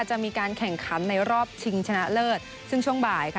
จะมีการแข่งขันในรอบชิงชนะเลิศซึ่งช่วงบ่ายค่ะ